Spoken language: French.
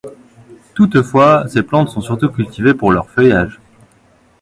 Toutefois, ces plantes sont surtout cultivées pour leur feuillage.